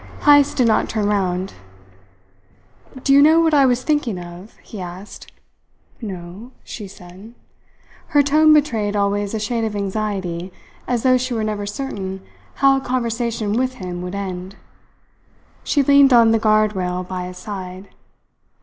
Heyst did not turn round. "Do you know what I was thinking of?" he asked. "No," she said. Her tone betrayed always a shade of anxiety, as though she were never certain how a conversation with him would end. She leaned on the guard rail by his side.